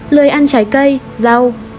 ba lời ăn trái cây rau